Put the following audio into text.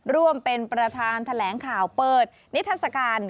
ร่วมเป็นประธานแถลงข่าวเปิดนิทัศกาล